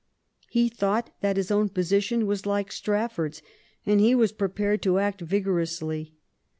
He thought that his own position was like Strafi^ord's, and he was prepared to act vigorously.